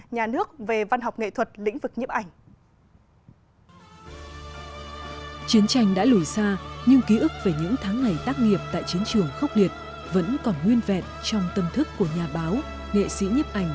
nhà nước về văn học nghệ thuật lĩnh vực nhiếp ảnh